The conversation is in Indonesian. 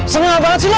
seneng banget sih lo